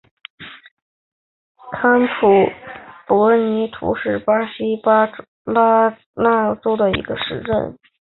坎普博尼图是巴西巴拉那州的一个市镇。